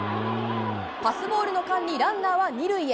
パスボールの間にランナーは２塁へ。